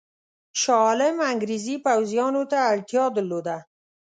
شاه عالم انګرېزي پوځیانو ته اړتیا درلوده.